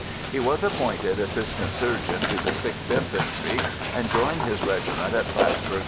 He was appointed assistant surgeon to the Sixth Infantry, and joined his regiment at Platts burgh, N.